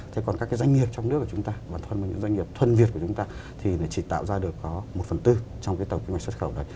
thế còn các cái doanh nghiệp trong nước của chúng ta và thân với những doanh nghiệp thuân việt của chúng ta thì chỉ tạo ra được có một phần tư trong cái tổng kinh hoạch xuất khẩu đấy